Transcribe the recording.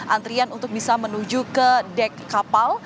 antrian untuk bisa menuju ke dek kapal